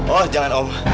oh jangan om